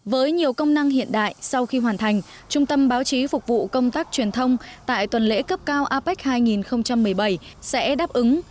với nhiều công năng hiện đại sau khi hoàn thành trung tâm báo chí phục vụ công tác truyền thông tại tuần lễ cấp cao apec hai nghìn một mươi bảy sẽ đáp ứng